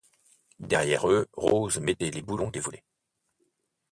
Derrière eux, Rose mettait les boulons des volets.